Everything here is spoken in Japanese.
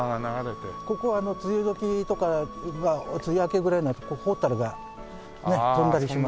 ここは梅雨時とか梅雨明けぐらいになるとホタルが飛んだりします。